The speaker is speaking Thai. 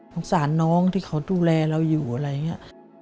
สงสารน้องที่เขาดูแลเราอยู่อะไรอย่างนี้